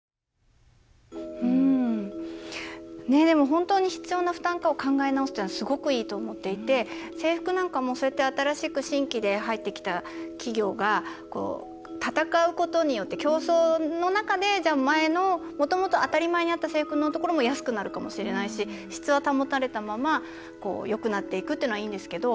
本当に必要な負担かを考え直すってすごくいいと思っていて制服なんかもそうやって新しく新規で入ってきた企業が戦うことによって競争の中で、前のもともと当たり前にあった制服のところも安くなるかもしれないし質は保たれたままよくなっていくというのはいいんですけど。